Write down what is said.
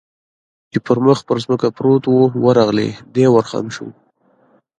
چې پر مخ پر ځمکه پروت و، ورغلی، دی ور خم شو.